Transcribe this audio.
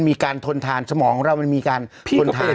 มีการทนทานสมองของเรามันมีการทนทาน